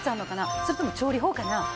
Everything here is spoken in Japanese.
それとも調理法かな？